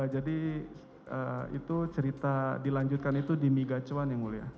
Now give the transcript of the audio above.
jadi itu cerita dilanjutkan itu di mi gacawan yang mulia